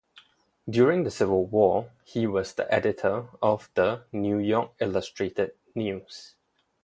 During the Civil War, he was the editor of the "New York Illustrated News".